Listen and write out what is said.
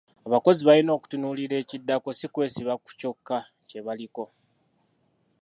Abakozi balina okutunuulira ekiddako si kwesiba ku kyokka kye baliko.